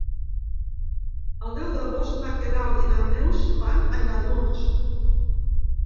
El deu d'agost na Queralt i na Neus van a Lladurs.